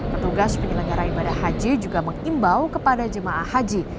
petugas penyelenggara ibadah haji juga mengimbau kepada jemaah haji